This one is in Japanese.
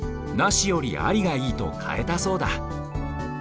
なしよりありがいいとかえたそうだ。